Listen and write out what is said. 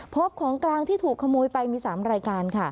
ของกลางที่ถูกขโมยไปมี๓รายการค่ะ